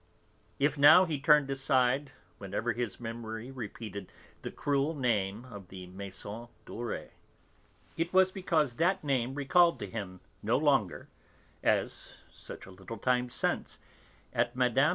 If, now, he turned aside whenever his memory repeated the cruel name of the Maison Dorée it was because that name recalled to him, no longer, as, such a little time since, at Mme.